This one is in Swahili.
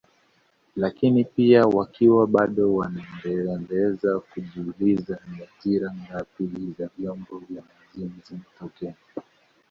Lakini pia wakiwa bado wanaendelea kujiuliza ni ajari ngapi za vyombo vya majini zimetokea